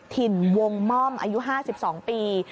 ถิ่นวงม่อมอายุ๕๒ปี